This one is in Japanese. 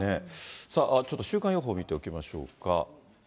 さあ、ちょっと週間予報見ておきましょうか。